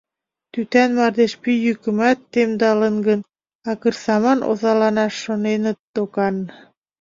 Тӱтан мардеж пий йӱкымат темдалын гын, акырсаман озалана шоненыт докан.